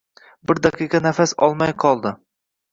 Bir daqiqa nafas olmay qoldi.